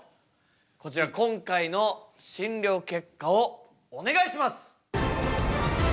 こちら今回の診りょう結果をお願いします！